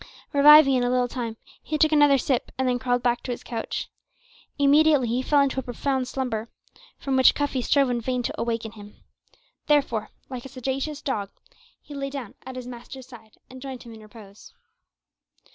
Reviving in a little time, he took another sip, and then crawled back to his couch. Immediately he fell into a profound slumber, from which Cuffy strove in vain to awaken him; therefore, like a sagacious dog, he lay down at his master's side and joined him in repose.